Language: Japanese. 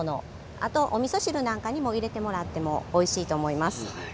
あとはおみそ汁に入れてもらってもおいしいと思います。